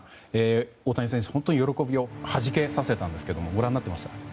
大谷選手、本当に喜びをはじけさせたんですけどご覧になっていましたか？